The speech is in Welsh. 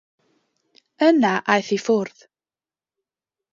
Yna aeth i ffwrdd.